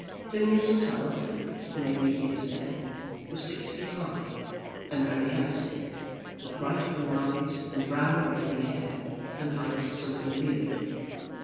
Phineas himself, it may be here said, was six feet high, and very handsome, with bright blue eyes, and brown wavy hair, and light silken beard.